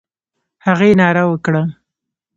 هغې ناره وکړه: